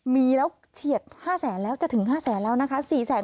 มีแล้วเฉียด๕แสนแล้วจะถึง๕แสนแล้วนะคะ